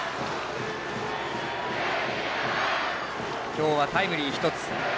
今日はタイムリー１つ。